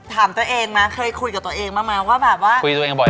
ถามตัวเองนะเคยคุยกับตัวเองมากมายว่าคุยตัวเองบ่อย